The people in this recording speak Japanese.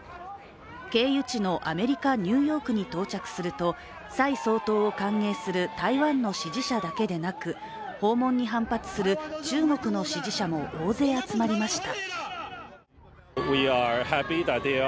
経由地のアメリカ・ニューヨークに到着すると蔡総統を歓迎する台湾の支持者だけでなく訪問に反発する中国の支持者も大勢集まりました。